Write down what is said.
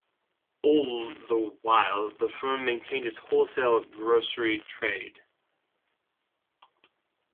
All the while the firm maintained its wholesale grocery trade.